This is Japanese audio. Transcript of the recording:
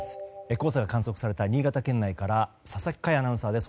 黄砂が観測された新潟県内から佐々木快アナウンサーです。